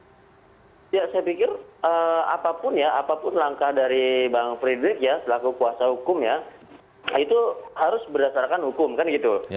ya saya pikir apapun ya apapun langkah dari bang frederick ya selaku kuasa hukum ya itu harus berdasarkan hukum kan gitu